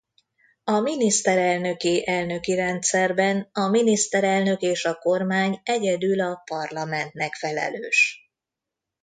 A miniszterelnöki-elnöki rendszerben a miniszterelnök és a kormány egyedül a parlamentnek felelős.